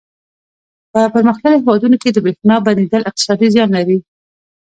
په پرمختللو هېوادونو کې د برېښنا بندېدل اقتصادي زیان لري.